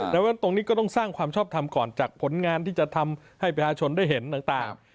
ดังนั้นตรงนี้ก็ต้องสร้างความชอบทำก่อนจากผลงานที่จะทำให้ประชาชนได้เห็นต่าง